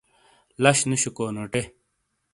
لش نوشیکو نوٹے۔